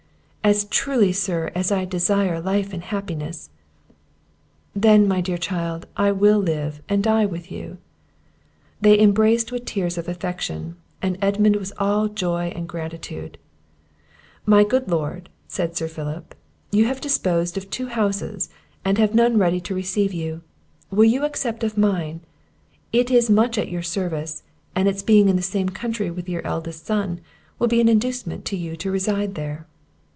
"As truly, sir, as I desire life and happiness!" "Then, my dear child, I will live and die with you!" They embraced with tears of affection, and Edmund was all joy and gratitude. "My good Lord," said Sir Philip, "you have disposed of two houses, and have none ready to receive you; will you accept of mine? It is much at your service, and its being in the same county with your eldest son, will be an inducement to you to reside there."